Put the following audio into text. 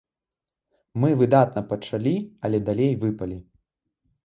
Мы выдатна пачалі, але далей выпалі.